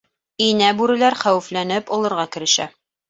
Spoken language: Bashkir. Инә бүреләр хәүефләнеп олорға керешә: